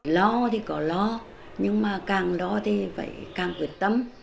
lo thì có lo nhưng mà càng lo thì phải càng quyết tâm